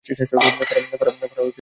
ফারা, তুমি ভুল করছ।